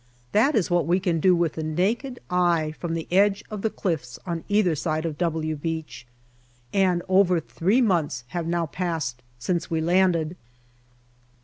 That is what we can do with the naked eye from the edge of the cliffs on either side of " W " Beach. And over three months have now passed since we landed.